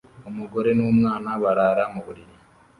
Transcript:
Umugore n'umwana barara mu buriri